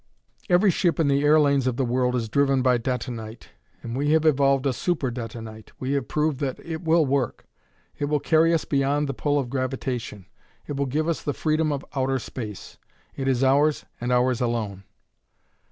"Every ship in the airlanes of the world is driven by detonite and we have evolved a super detonite. We have proved that it will work. It will carry us beyond the pull of gravitation; it will give us the freedom of outer space. It is ours and ours alone."